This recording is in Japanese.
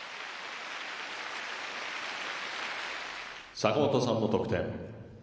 「坂本さんの得点」。